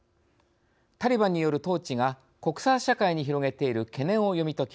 タリバンによる統治が国際社会に広げている懸念を読み解き